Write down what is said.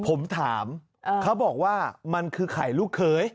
ผมถามเขาบอกว่ามันคือไข่ลูกเขย